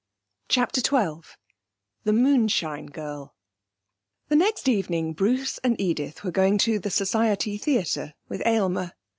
CHAPTER XII 'The Moonshine Girl' The next evening Bruce and Edith were going to the Society Theatre with Aylmer.